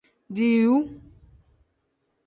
Diiwu.